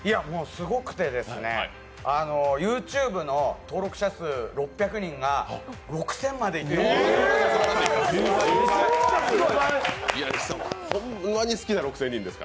すごくて、ＹｏｕＴｕｂｅの登録者数６００人が６０００までいったんです。